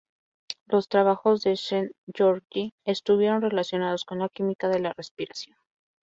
Los trabajos de Szent-Györgyi estuvieron relacionados con la química de la respiración.